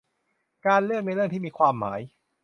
การเลือกในเรื่องที่มีความหมาย